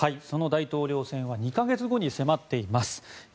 その大統領選は２か月後に迫っています。